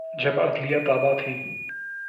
جب عدلیہ تابع تھی۔